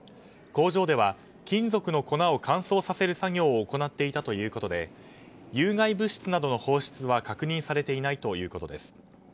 工場では金属の粉を乾燥させる作業を行っていたということで有害物質などの放出は確認されていないということです。